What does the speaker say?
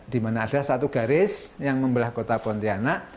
di mana ada satu garis yang membelah kota pontianak